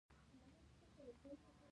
د اسټاټین تر ټولو نادر غیر فلزي عنصر دی.